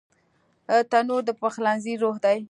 تنور د پخلنځي روح دی